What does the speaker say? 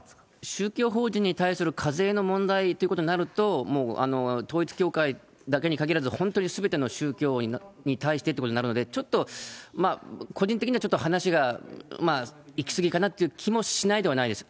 宗教法人に対する課税の問題ということになると、もう統一教会だけに限らず、本当にすべての宗教に対してっていうことになるので、ちょっとまあ、個人的には話が行き過ぎかなという気もしないではないです。